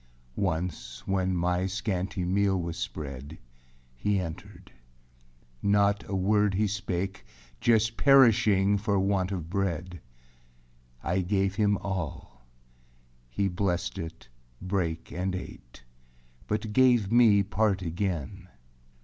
2. Once, when my scanty meal was spread, He entered; not a word he spake. Just perishing for want of bread. I gave him all; he blessed it, brake, And ate, but gave me part again.